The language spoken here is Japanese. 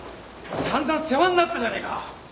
さんざん世話になったじゃねえか。